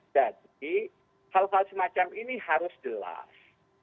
jadi hal hal semacam ini harus jelas